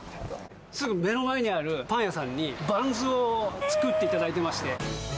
すぐ目の前にあるパン屋さんにバンズを作っていただいてまして。